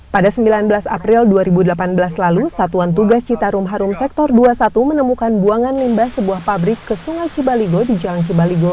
pada sembilan belas april dua ribu delapan belas lalu satuan tugas citarum harum sektor dua puluh satu menemukan buangan limbah sebuah pabrik ke sungai cibaligo di jalan cibaligo